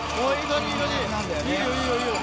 いいよいいよいいよ。